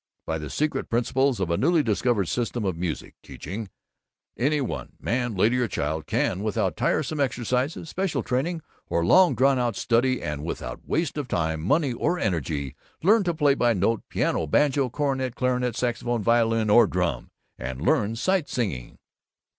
By the secret principles of a Newly Discovered System of Music Teaching, any one man, lady or child can, without tiresome exercises, special training or long drawn out study, and without waste of time, money or energy, learn to play by note, piano, banjo, cornet, clarinet, saxophone, violin or drum, and learn sight singing."